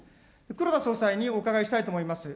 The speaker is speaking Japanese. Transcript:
黒田総裁にお伺いしたいと思います。